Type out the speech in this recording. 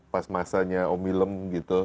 pas masanya om ilem gitu